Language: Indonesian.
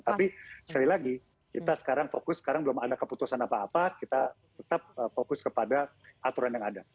tapi sekali lagi kita sekarang fokus sekarang belum ada keputusan apa apa kita tetap fokus kepada aturan yang ada